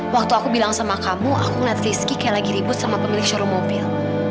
waktu aku bilang sama kamu aku ngeliat rizky kayak lagi ribut sama pemilik show mobil